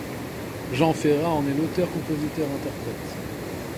Jean Ferrat en est l'auteur-compositeur-interprète.